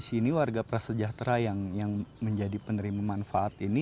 daripada warga warga prasejahtera yang menjadi penerima manfaat ini